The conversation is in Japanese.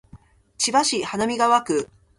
千葉市花見川区